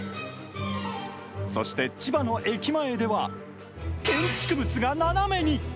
そして千葉の駅前では、建築物が斜めに。